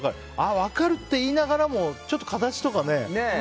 あ、分かるって言いながらもちょっと形とかね。